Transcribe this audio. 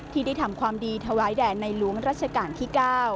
ที่ได้ทำความดีถวายแด่ในหลวงรัชกาลที่๙